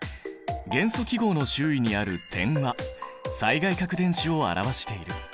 元素記号の周囲にある点は最外殻電子を表している。